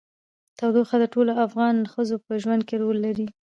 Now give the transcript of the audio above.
تودوخه د ټولو افغان ښځو په ژوند کې رول لري.